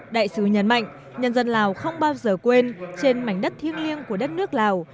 đại sứ nhấn mạnh nhân dân lào không bao giờ quên trên mảnh đất thiêng liêng của đất nước lào